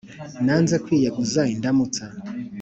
nanze kwiyegura indaùmutsa